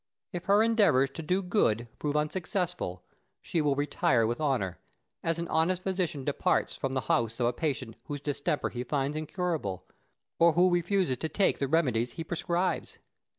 If her endeavours to do good prove unsuccessful, she will retire with honour, as an honest physician departs from the house of a patient whose distemper he finds incurable, or who refuses to take the remedies he prescribes.